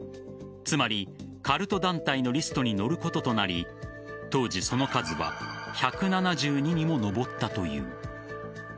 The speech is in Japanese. つまりカルト団体のリストに載ることになり当時、その数は１７２にも上ったという。